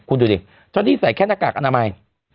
คุณดูดิเจ้านี่ใส่แค่หน้ากากอนามัย